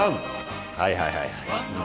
はいはいはいはい。